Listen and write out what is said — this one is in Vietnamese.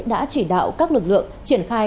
đã chỉ đạo các lực lượng triển khai